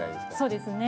そうですね。